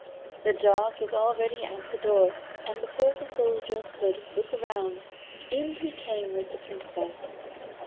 The dog was already outside the door, and before the Soldier could look round, in he came with the Princess.